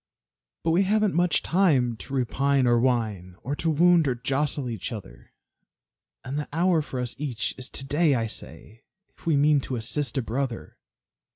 But we haven't much time to repine or whine, Or to wound or jostle each other; And the hour for us each is to day, I say, If we mean to assist a brother.